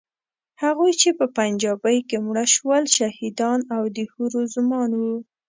هغوی چې په پنجابۍ کې مړه شول، شهیدان او د حورو زومان وو.